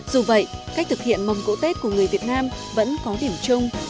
dù vậy cách thực hiện mâm cỗ tết của người việt nam vẫn có điểm chung